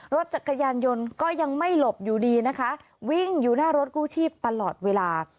รถจักรยานยนต์ก็ยังไม่หลบอยู่ดีนะคะวิ่งอยู่หน้ารถกู้ชีพตลอดเวลา